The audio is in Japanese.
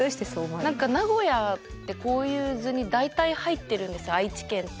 名古屋ってこういう図に大体入ってるんです愛知県って。